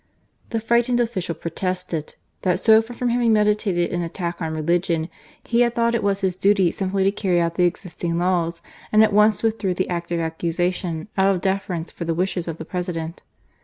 The frightened official protested, that so far from having meditated an attack on religion, he had thought it was his duty simply to carry out the existing laws, and at once withdrew the act of accusation, out of deference for the wishes of the President.